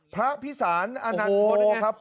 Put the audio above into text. พระพิสารอนันโทครับ